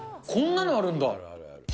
こんなのあるんだ。